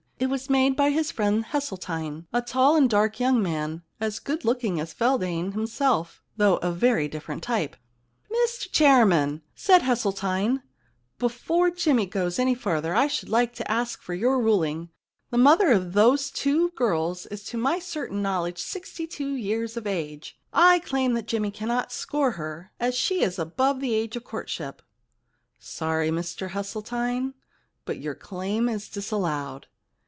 It was made by his friend Hesseltine, a tall and dark young man, as good looking as Feldane himself, though of a very different type. * Mr Chairman,' said Hesseltine, * before Jimmy goes any further I should like to ask for your ruling. The mother of those two girls is to my certain knowledge sixty two years of age. I claim that Jimmy cannot score her, as she is above the age of courtship.' * Sorry, Mr Hesseltine, but your claim is disallowed.